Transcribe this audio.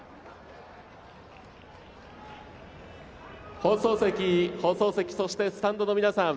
放送席、放送席そしてスタンドの皆さん。